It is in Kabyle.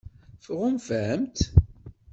Tɣunfamt-tt?